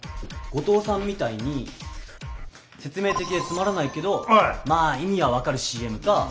後藤さんみたいに説明的でつまらないけどまあ意味は分かるＣＭか。